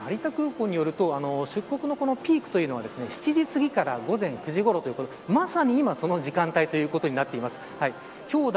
成田空港によると出国のピークというのは７時すぎから午前９時ごろということでまさに今その時間帯となっています。